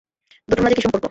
দুটোর মাঝে কী সম্পর্ক?